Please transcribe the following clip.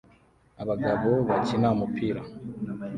Abagabo bakina umupira